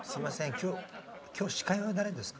今日司会は誰ですか？」。